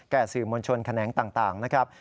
สื่อมวลชนแขนงต่างนะครับ